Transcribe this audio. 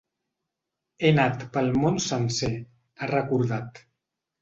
He anat pel món sencer, ha recordat.